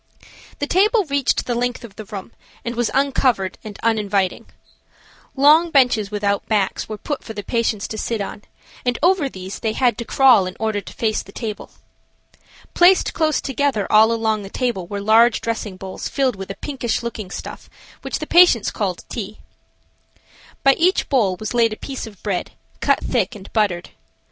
The table reached the length of the room and was uncovered and uninviting. Long benches without backs were put for the patients to sit on, and over these they had to crawl in order to face the table. Placed closed together all along the table were large dressing bowls filled with a pinkish looking stuff which the patients called tea. By each bowl was laid a piece of bread, cut thick and buttered.